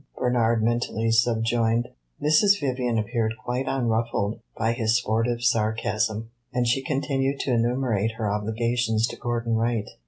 Bernard mentally subjoined. Mrs. Vivian appeared quite unruffled by his sportive sarcasm, and she continued to enumerate her obligations to Gordon Wright.